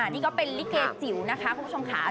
นี่ก็เป็นลิเกจิ๋วนะคะคุณผู้ชมค่ะ